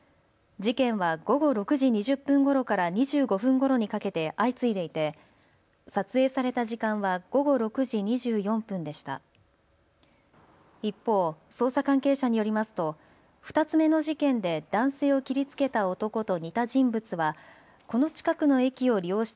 事件は午後６時２０分ごろから２５分ごろにかけて相次いでいて撮影された時間は午後６時２４分でした。